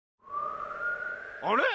あれ？